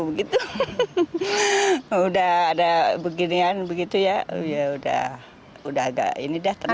sudah ada beginian begitu ya ya sudah agak ini dah tenang